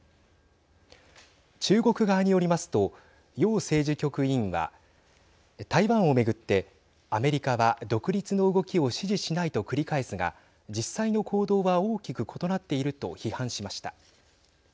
中国側によりますと楊政治局委員は台湾をめぐってアメリカは独立の動きを支持しないと繰り返すが実際の行動は大きく異なっていると批判しました。